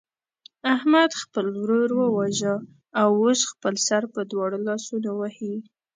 احمد خپل ورور وواژه او اوس خپل سر په دواړو لاسونو وهي.